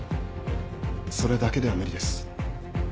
それだけでは無理です。